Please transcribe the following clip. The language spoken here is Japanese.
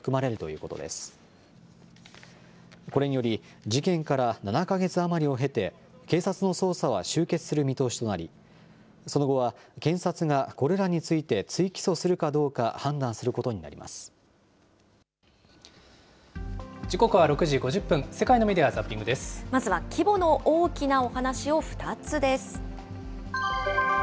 これにより事件から７か月余りを経て、警察の捜査は終結する見通しとなり、その後は検察がこれらについて追起訴するかどうか判断することに時刻は６時５０分、まずは規模の大きなお話を２つです。